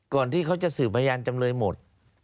ก่อนที่เขาจะสื่อพยานจำเลยหมด